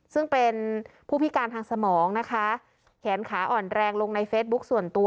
ซึ่งเป็นผู้พิการทางสมองนะคะแขนขาอ่อนแรงลงในเฟซบุ๊คส่วนตัว